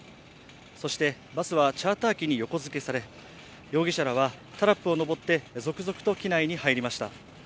そしてバスはチャーター機に横付けされ、容疑者らはタラップを上って続々と機内に入りました。